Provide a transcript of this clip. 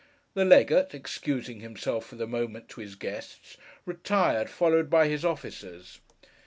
The legate, excusing himself, for the moment, to his guests, retired, followed by his officers.